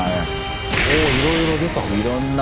おいろいろ出たね。